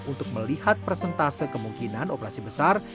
untuk melihat persentase kemungkinan operasi besar